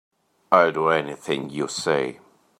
I'll do anything you say.